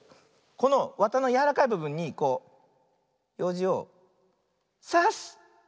このわたのやわらかいぶぶんにこうようじをさす！